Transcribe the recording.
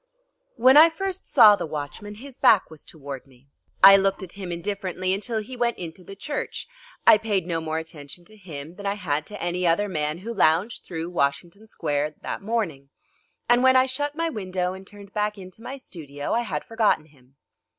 When I first saw the watchman his back was toward me. I looked at him indifferently until he went into the church. I paid no more attention to him than I had to any other man who lounged through Washington Square that morning, and when I shut my window and turned back into my studio I had forgotten him.